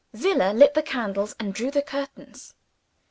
Zillah lit the candles and drew the curtains.